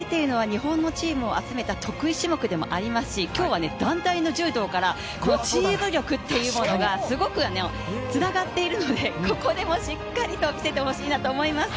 リレーっていうのは日本のチームを集めた得意種目でもありますし、今日は団体の柔道からこのチーム力というものがすごくつながっているのでここでもしっかりと見せてほしいなと思います。